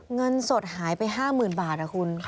เงินสดหายไป๕๐๐๐บาทนะคุณ